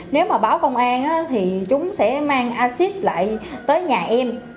nếu mà báo công an thì chúng sẽ mang acid lại tới nhà em